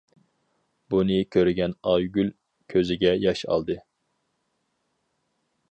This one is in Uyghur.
بۇنى كۆرگەن ئايگۈل كۆزىگە ياش ئالدى.